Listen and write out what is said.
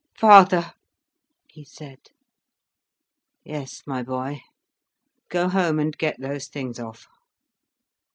"Father!" he said. "Yes my boy? Go home and get those things off."